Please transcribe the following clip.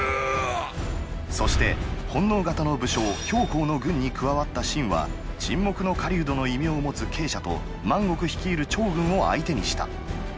そして本能型の武将公の軍に加わった信は「沈黙の狩人」の異名を持つ慶舎と万極率いる趙軍を相手にした。